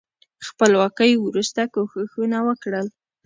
خپلواکۍ وروسته کوښښونه وکړل.